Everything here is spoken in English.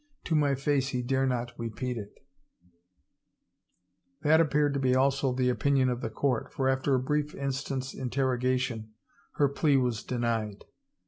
To my face he dare not repeat it !" That appeared to be also the opinion of the court, for after a brief instant's interrogation, her plea was denied.